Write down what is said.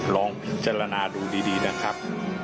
ลองพิจารณาดูดีนะครับ